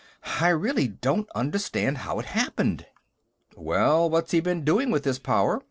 I really don't understand how it happened...." "Well, what's he been doing with his power?"